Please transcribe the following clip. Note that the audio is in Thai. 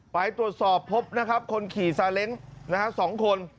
ไปตรวจสอบพบนะครับคนขี่ซาเล้ง๒คน